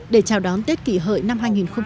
để chào đón tết kỷ hợi năm hai nghìn một mươi chín